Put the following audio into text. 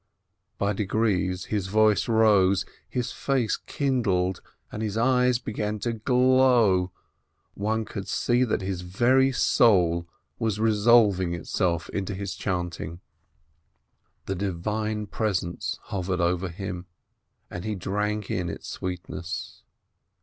By degrees his voice rose, his face kindled, and his eyes began to glow, one could see that his very soul was resolving itself into his chanting. The Divine Presence hovered over him, and he drank in its sweetness.